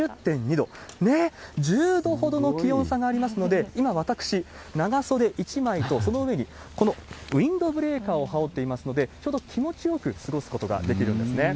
ねっ、１０度ほどの気温差がありますので、今、私、長袖１枚と、その上にこのウインドブレーカーを羽織っていますので、ちょうど気持ちよく過ごすことができるんですね。